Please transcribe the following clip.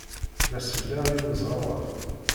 La selleɣ i uẓawan.